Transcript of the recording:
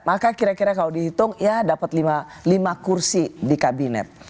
maka kira kira kalau dihitung ya dapat lima kursi di kabinet